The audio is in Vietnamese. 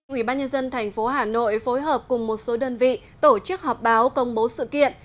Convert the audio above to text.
ủy ban nhân dân tp hà nội phối hợp cùng một số đơn vị tổ chức họp báo công bố sự kiện